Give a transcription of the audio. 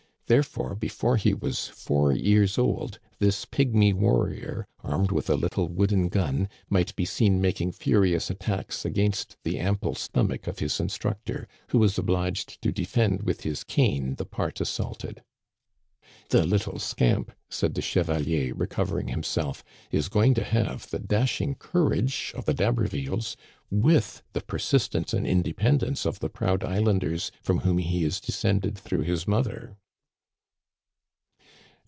Therefore, before he was four years old, this pygmy warrior, armed with a little wooden gun, might be seen making furious attacks against the ample stomach of his instructor, who was obliged to de fend with his cane the part assaulted. "The little scamp,'* said the chevalier recovering himself, is going to have the dashing courage of the D'Habervilles, with the persistence and independence of the proud islanders from whom he is descended through his mother.